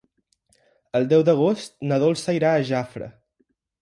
El deu d'agost na Dolça irà a Jafre.